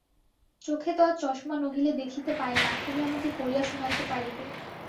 চোখে তো আর চশমা নহিলে দেখিতে পাই না, তুমি আমাকে পড়িয়া শোনাইতে পারিবে।